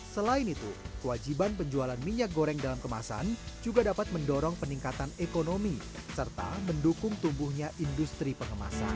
selain itu kewajiban penjualan minyak goreng dalam kemasan juga dapat mendorong peningkatan ekonomi serta mendukung tumbuhnya industri pengemasan